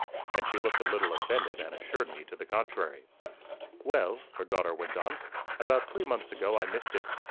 And she looked a little offended, and assured me to the contrary.' 'Well,' her daughter went on, 'about three months ago, I missed it.